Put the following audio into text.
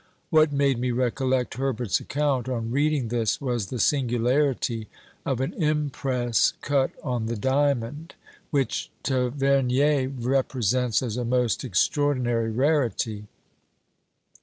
What made me recollect Herbert's account on reading this, was the singularity of an impress cut on the diamond, which Tavernier represents as a most extraordinary rarity.